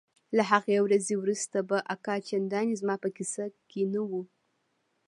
له هغې ورځې وروسته به اکا چندانې زما په کيسه کښې نه و.